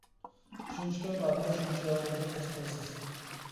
شۇنچە كۆپ ئادەم، شۇنچە يالغۇزلۇق ھېس قىلىسىز.